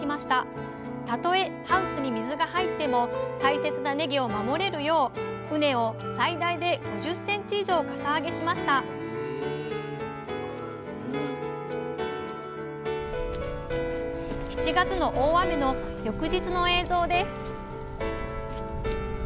たとえハウスに水が入っても大切なねぎを守れるよう畝を最大で５０センチ以上かさ上げしました７月の大雨の翌日の映像です